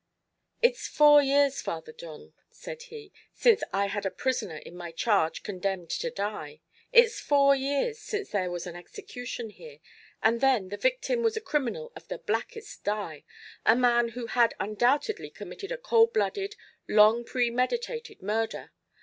"It's four years, Father John," said he, "since I had a prisoner in my charge condemned to die. It's four years since there was an execution here, and then the victim was a criminal of the blackest dye a man who had undoubtedly committed a cold blooded, long premeditated murder.